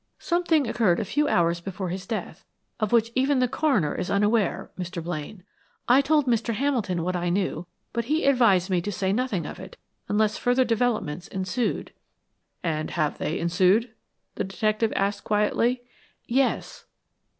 "Something occurred a few hours before his death, of which even the coroner is unaware, Mr. Blaine. I told Mr. Hamilton what I knew, but he advised me to say nothing of it, unless further developments ensued." "And they have ensued?" the detective asked quietly. "Yes."